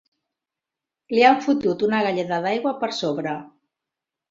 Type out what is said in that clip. Li han fotut una galleda d'aigua per sobre.